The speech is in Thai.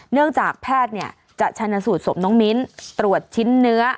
เนื่องจากแพทย์จะชนะสูตรศพน้องมิ้นตรวจชิ้นเนื้อ